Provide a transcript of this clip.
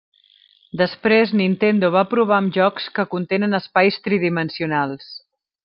Després Nintendo va provar amb jocs que contenen espais tridimensionals.